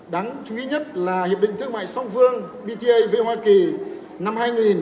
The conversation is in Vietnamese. đáng chú ý nhất là hiệp định thương mại song phương dta với hoa kỳ năm hai nghìn